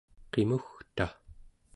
qimugta